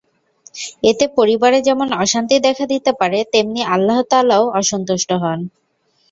এতে পরিবারে যেমন অশান্তি দেখা দিতে পারে, তেমনি আল্লাহ তাআলাও অসন্তুষ্ট হন।